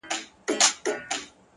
پرتكه سپينه پاڼه وڅڅېدې”